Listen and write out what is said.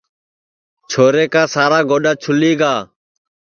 چھورا کا سارا گوڈؔا چُھولی گا